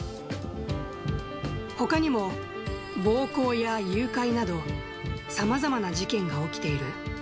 ほかにも暴行や誘拐など、さまざまな事件が起きている。